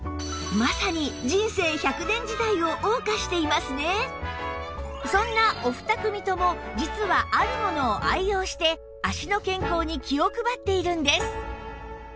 まさにそんなお二組とも実はあるものを愛用して足の健康に気を配っているんです